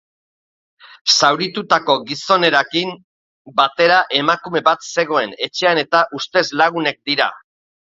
Zauritutako gizonarekin batera emakume bat zegoen etxean eta ustez lagunak dira.